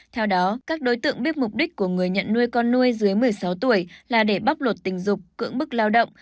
theo đó các đối tượng biết mục đích của người nhận nuôi con nuôi dưới một mươi sáu tuổi là để bóc lột tình dục cưỡng bức lao động